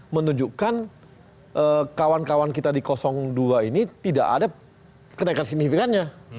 menunjukkan kawan kawan kita di dua ini tidak ada kenaikan signifikannya